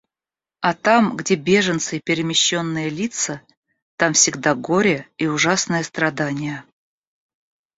А там, где беженцы и перемещенные лица, там всегда горе и ужасные страдания.